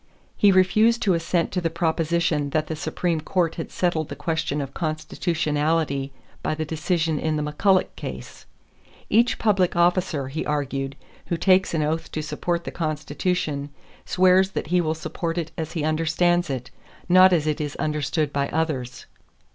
He refused to assent to the proposition that the Supreme Court had settled the question of constitutionality by the decision in the McCulloch case. "Each public officer," he argued, "who takes an oath to support the Constitution, swears that he will support it as he understands it, not as it is understood by others."